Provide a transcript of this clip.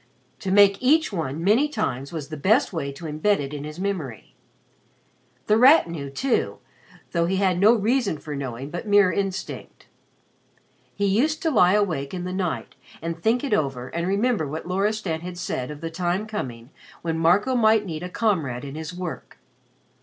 To make each one many times was the best way to imbed it in his memory. The Rat knew, too, though he had no reason for knowing, but mere instinct. He used to lie awake in the night and think it over and remember what Loristan had said of the time coming when Marco might need a comrade in his work.